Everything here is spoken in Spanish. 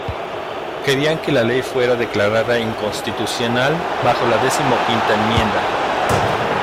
Querían que la ley fuera declarada inconstitucional bajo la Decimoquinta Enmienda.